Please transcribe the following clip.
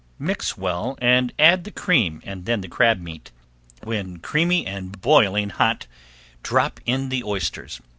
Mix well and add the cream and then the crab meat. When creamy and boiling hot drop in the oysters.